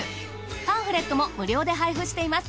パンフレットも無料で配布しています。